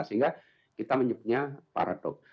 sehingga kita menyebutnya paradok